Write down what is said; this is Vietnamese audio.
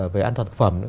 về an toàn thực phẩm